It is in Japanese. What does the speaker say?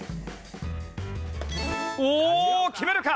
おーっ決めるか？